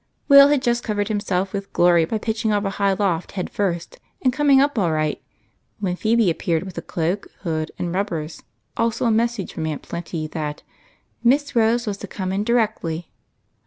Will had just covered himself with glory by pitch ing off of a high loft head first and coming up all right, when Phebe appeared with a cloak, hood, and rubbers, also a message fi om Aunt Plenty that " Miss Rose was to come in directly."